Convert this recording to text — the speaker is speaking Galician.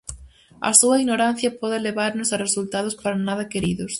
A súa ignorancia pode levarnos a resultados para nada queridos.